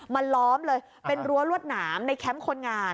ล้อมเลยเป็นรั้วรวดหนามในแคมป์คนงาน